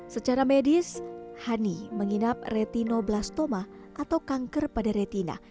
secara medis hani menginap retinoblastoma atau kanker pada retina